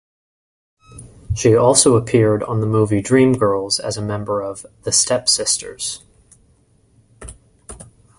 She also appeared on the movie Dreamgirls as a member of 'The Stepp Sisters'.